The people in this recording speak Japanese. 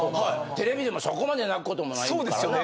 テレビでもそこまで泣くこともないからな。